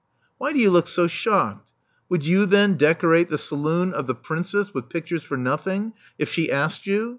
Why do you look so shocked? Would you, then, decorate the saloon of the Princess with pictures for nothing, if she asked you?"